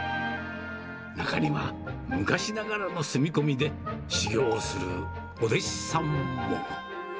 中には昔ながらの住み込みで、修業をするお弟子さんも。